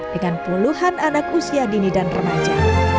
dengan puluhan anak usia dini dan remaja